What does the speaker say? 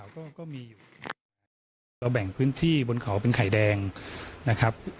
เราแบ่งพื้นที่บนเขาเป็นไข่แดงนะครับ